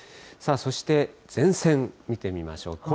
さあそして、前線見てみましょう。